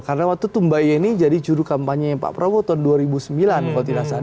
karena waktu itu mbak ieni jadi juru kampanye pak prabowo tahun dua ribu sembilan